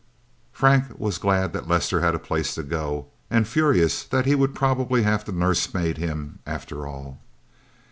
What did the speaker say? Frank was glad that Lester had a place to go and furious that he would probably have to nursemaid him, after all.